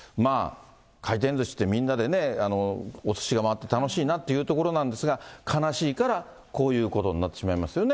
回転ずしって、みんなでね、おすしが回って楽しいなという所なんですが、悲しいかな、こういうことになってしまいますよね。